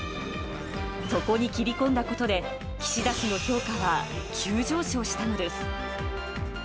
そこに切り込んだことで、岸田氏の評価は急上昇したのです。